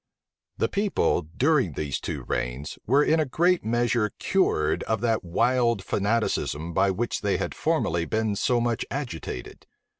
The people, during these two reigns, were in a great measure cured of that wild fanaticism by which they had formerly been so much agitated.